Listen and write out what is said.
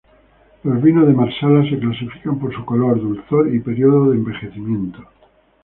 Los vinos de Marsala se clasifican por su color, dulzor y periodo de envejecimiento.